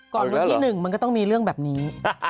วันที่๑มันก็ต้องมีเรื่องแบบนี้